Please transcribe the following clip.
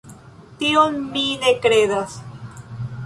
Tion mi ne kredas.